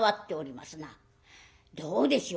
どうでしょう？